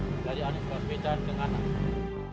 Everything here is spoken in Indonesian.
dari anies baswedan ke anak